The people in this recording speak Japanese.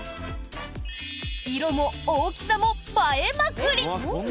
色も大きさも映えまくり！